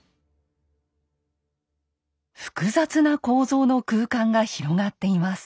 複雑な構造の空間が広がっています。